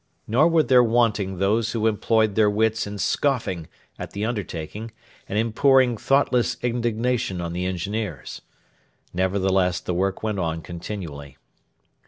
Nor were there wanting those who employed their wits in scoffing at the undertaking and in pouring thoughtless indignation on the engineers. Nevertheless the work went on continually.